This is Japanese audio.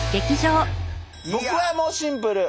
僕はもうシンプル。